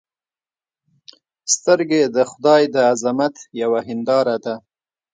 سترګې د خدای د عظمت یوه هنداره ده